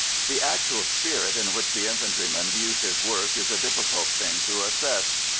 The actual spirit in which the infantryman views his work is a difficult thing to assess.